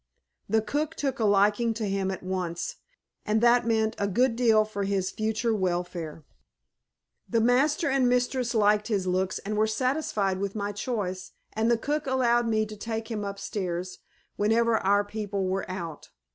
The cook took a liking to him at once, and that meant a good deal for his future welfare. The master and mistress liked his looks and were satisfied with my choice, and the cook allowed me to take him upstairs, whenever our people were out.